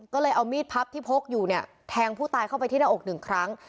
ก็เลยเอามีดพับที่พกอยู่เนี่ยแทงผู้ตายเข้าไปที่หน้าอกหนึ่งครั้ง